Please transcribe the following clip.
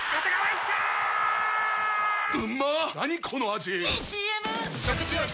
⁉いいＣＭ！！